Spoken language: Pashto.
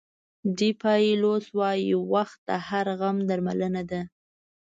ډیپایلوس وایي وخت د هر غم درملنه ده.